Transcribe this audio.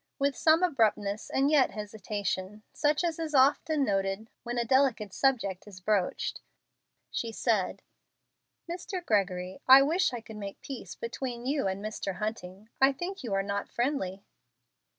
With some abruptness and yet hesitation, such as is often noted when a delicate subject is broached, she said, "Mr. Gregory, I wish I could make peace between you and Mr. Hunting. I think you are not friendly."